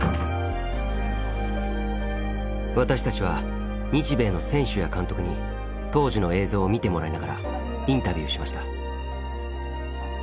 私たちは日米の選手や監督に当時の映像を見てもらいながらインタビューしました。